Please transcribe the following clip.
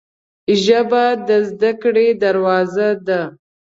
ژبه د زده کړې دروازه ده